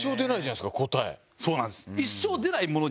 そうなんです。